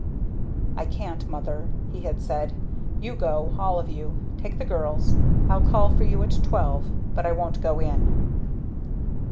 "I can't, mother," he had said. "You go all of you. Take the girls. I'll call for you at twelve but I won't go in."